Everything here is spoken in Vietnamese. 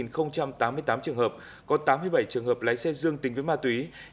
một tám mươi tám trường hợp có tám mươi bảy trường hợp lái xe dương tính với ma túy